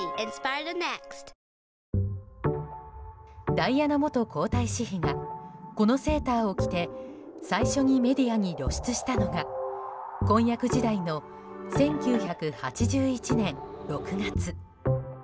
ダイアナ元皇太子妃がこのセーターを着て最初にメディアに露出したのが婚約時代の１９８１年６月。